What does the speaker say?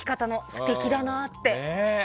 素敵だなって。